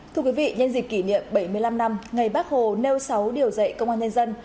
thưa quý vị nhân dịp kỷ niệm bảy mươi năm năm ngày bác hồ nêu sáu điều dạy công an nhân dân